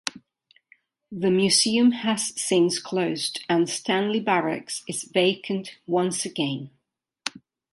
The museum has since closed and Stanley Barracks is vacant once again.